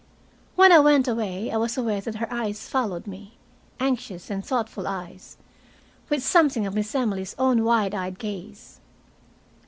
When I went away I was aware that her eyes followed me, anxious and thoughtful eyes, with something of Miss Emily's own wide eyed gaze.